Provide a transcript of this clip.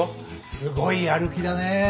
すごいやる気だね。